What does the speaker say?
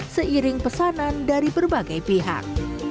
seiring pesanan dari berbagai pihak